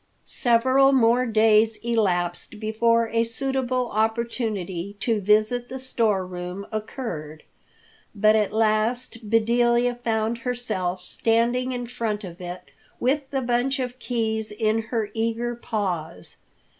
Several more days elapsed before a suitable opportunity to visit the store room occurred. But at last Bedelia found herself standing in front of it with the bunch of keys in her eager paws.